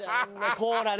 コーラね。